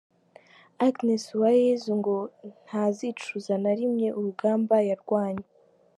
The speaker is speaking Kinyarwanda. Agnes Uwayezu ngo ntazicuza na rimwe urugamba yarwanye.